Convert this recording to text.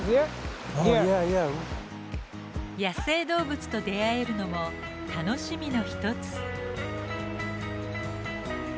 野生動物と出会えるのも楽しみの一つ。